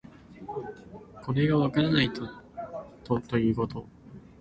これがわからないことということ